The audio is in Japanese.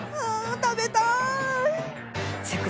食べたい。